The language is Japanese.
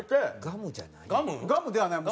ガムじゃない？